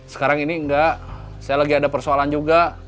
sekarang ini enggak saya lagi ada persoalan juga